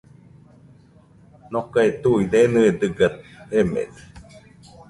Nokae tuide enɨe dɨga jemede